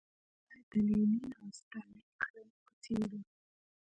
بیا باید د لینین او ستالین کړنې وڅېړو.